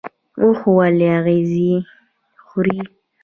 اوښ ولې اغزي خوري؟